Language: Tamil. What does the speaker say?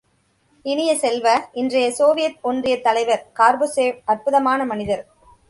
இனிய செல்வ, இன்றைய சோவியத் ஒன்றியத் தலைவர் கார்பொச்சேவ் அற்புதமான மனிதர்!